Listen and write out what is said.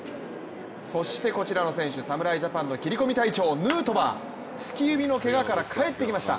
そしてこちらの選手、侍ジャパンの斬り込み隊長、ヌートバー、突き指のけがから帰ってきました。